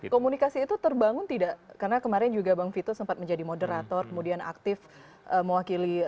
komunikasi itu terbangun tidak karena kemarin juga bang vito sempat menjadi moderator kemudian aktif mewakili